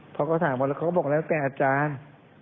เพราะเขาถามก็บอกแล้วเป็นอาจารย์